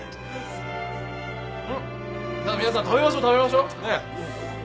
んっさあ皆さん食べましょう食べましょうねっ。